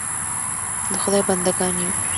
د خدای بنده ګان یو .